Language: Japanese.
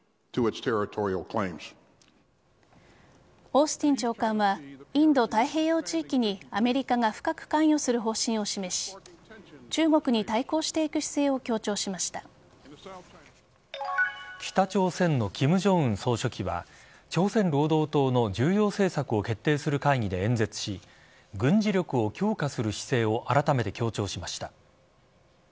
オースティン長官はインド太平洋地域にアメリカが深く関与する方針を示し中国に対抗していく姿勢を北朝鮮の金正恩総書記は朝鮮労働党の重要政策を決定する会議で演説し軍事力を強化する姿勢をあらためて強調しました。